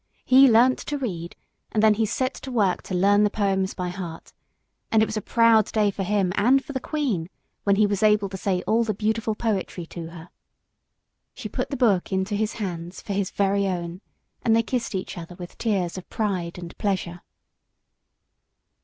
He learnt to read, and then he set to work to learn the poems by heart; and it was a proud day for him and for the Queen when he was able to say all the beautiful poetry to her. She put the book into his hands for his very own, and they kissed each other with tears of pride and pleasure.